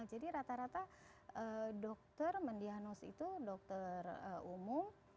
jadi rata rata dokter mendianus itu dokter umum